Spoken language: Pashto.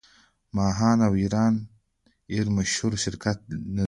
ماهان او ایران ایر مشهور شرکتونه دي.